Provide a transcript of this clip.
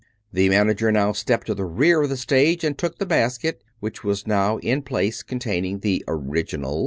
The manager now stepped to the rear of the stage and took the basket, which was now in place containing the original